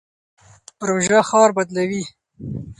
پروژه ښار بدلوي.